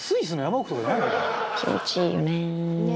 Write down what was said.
気持ちいいよね。